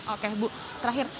oke bu terakhir